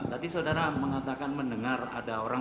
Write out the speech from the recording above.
tadi saudara mengatakan mendengar ada orang